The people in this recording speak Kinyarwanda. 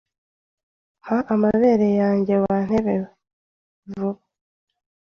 “Mpa amabere yanjye wantebewe vuba